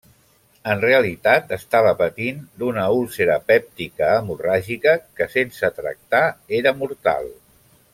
En realitat, estava patint d'una úlcera pèptica hemorràgica, que, sense tractar, era mortal.